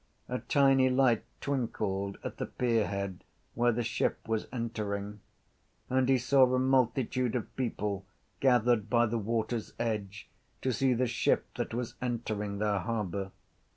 A tiny light twinkled at the pierhead where the ship was entering: and he saw a multitude of people gathered by the waters’ edge to see the ship that was entering their harbour.